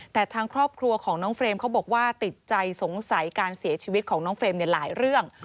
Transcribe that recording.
แต่ทางครอบครัวของน้องเฟรมเขาบอกว่าติดใจสงสัยการเสียชีวิตของน้องเฟรมหลายเรื่อง